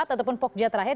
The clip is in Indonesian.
ataupun pokja terakhir